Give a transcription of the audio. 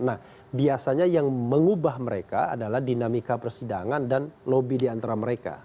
nah biasanya yang mengubah mereka adalah dinamika persidangan dan lobby diantara mereka